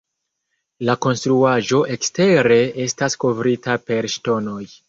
La konstruaĵo ekstere estas kovrita per ŝtonoj.